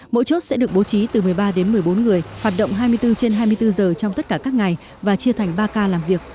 mỗi chốt sẽ được bố trí từ một mươi ba đến một mươi bốn người hoạt động hai mươi bốn trên hai mươi bốn giờ trong tất cả các ngày và chia thành ba ca làm việc